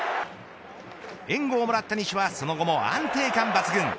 援護をもらった西はその後も安定感抜群。